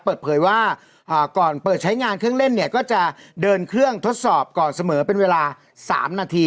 เปิดเผยว่าก่อนเปิดใช้งานเครื่องเล่นเนี่ยก็จะเดินเครื่องทดสอบก่อนเสมอเป็นเวลา๓นาที